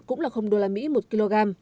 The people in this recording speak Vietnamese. cũng là usd một kg